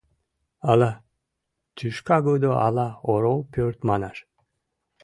— Ала тӱшкагудо, ала орол пӧрт манаш.